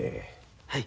はい。